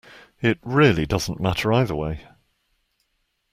It really doesn't matter either way.